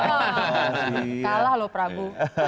kalah loh prabu